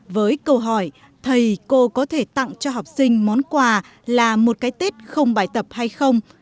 với câu hỏi thầy cô có thể tặng cho học sinh món quà là một cái tết không bài tập hay không